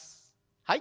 はい。